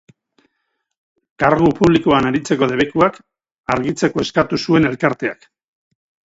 Kargu publikoan aritzeko debekuak argitzeko eskatu zuen elkarteak.